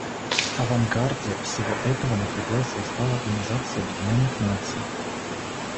В авангарде всего этого находился Устав Организации Объединенных Наций.